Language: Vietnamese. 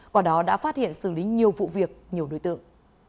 quả đó đã phát hiện xử lý nhiều vụ việc nhiều đối tượng